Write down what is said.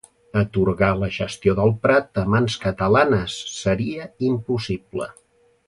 atorgar la gestió del Prat a mans catalanes seria impossible